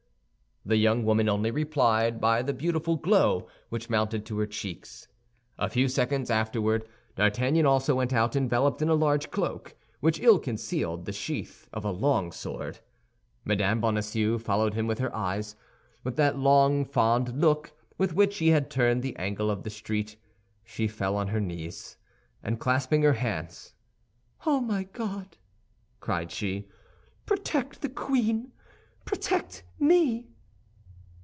The young woman only replied by the beautiful glow which mounted to her cheeks. A few seconds afterward D'Artagnan also went out enveloped in a large cloak, which ill concealed the sheath of a long sword. Mme. Bonacieux followed him with her eyes, with that long, fond look with which he had turned the angle of the street, she fell on her knees, and clasping her hands, "Oh, my God," cried she, "protect the queen, protect me!"